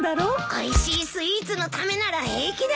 おいしいスイーツのためなら平気だよ。